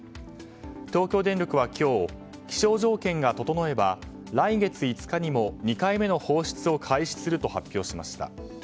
東京電力は今日気象条件が整えば来月５日にも２回目の放出を開始すると発表しました。